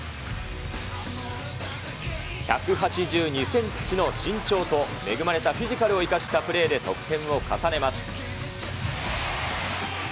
１８２センチの身長と、恵まれたフィジカルを生かしたプレーで得点を重ねます。